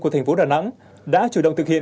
của tp đà nẵng đã chủ động thực hiện